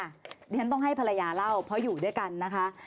เดี๋ยวฉันต้องให้ภรรยาเล่าเพราะอยู่ด้วยกันนะคะ